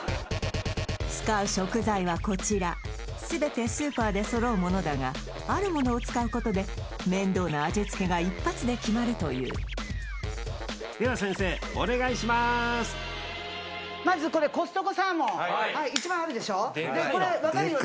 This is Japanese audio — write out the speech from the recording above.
使う食材はこちら全てスーパーで揃うものだがあるものを使うことで面倒な味付けが一発で決まるというではまずこれコストコサーモン１枚あるでしょでこれ分かるよね？